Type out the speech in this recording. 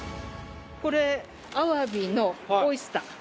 これアワビのオイスター。